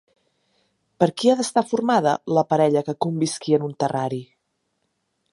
Per qui ha d'estar formada la parella que convisqui en un terrari?